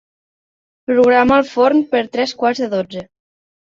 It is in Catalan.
Programa el forn per a tres quarts de dotze.